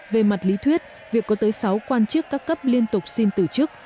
về mặt lý thuyết việc có tới sáu quan chức các cấp liên tục xin từ chức